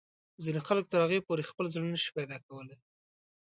ځینې خلک تر هغو پورې خپل زړه نه شي پیدا کولای.